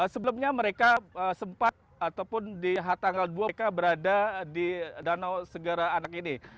sebelumnya mereka sempat ataupun di tanggal dua k berada di danau segara anak ini